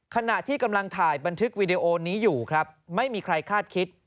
ขณะที่กำลังถ่ายบันทึกวีดีโอนี้อยู่ครับไม่มีใครคาดคิด